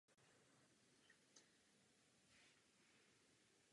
Je jedním z nejznámějších irských hudebních umělců.